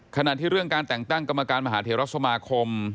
ขณะที่เรื่องการแต่งตั้งกรรมการมหาเทราสมาคม